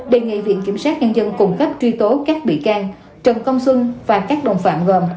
đề nghị viện kiểm sát nhân dân cung cấp truy tố các bị can trần công xuân và các đồng phạm gồm